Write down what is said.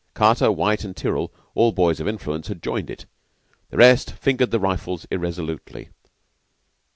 Carter, White, and Tyrrell, all boys of influence, had joined it. The rest fingered the rifles irresolutely.